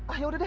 ah yaudah deh